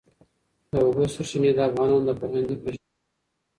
د اوبو سرچینې د افغانانو د فرهنګي پیژندنې برخه ده.